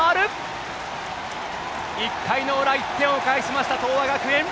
１回の裏、１点を返しました東亜学園。